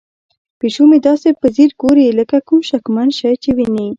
پیشو مې داسې په ځیر ګوري لکه کوم شکمن شی چې ویني.